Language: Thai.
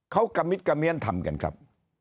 เขากระมิดกระเมียนทำกันครับ